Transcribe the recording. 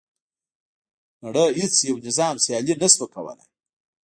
نړۍ هیڅ یو نظام سیالي نه شوه کولای.